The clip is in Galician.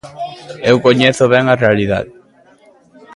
Eu coñezo ben a realidade.